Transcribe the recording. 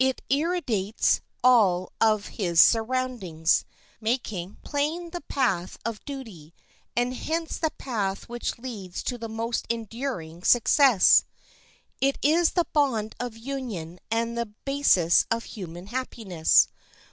It irradiates all of his surroundings, making plain the path of duty, and hence the path which leads to the most enduring success. It is the bond of union and the basis of human happiness.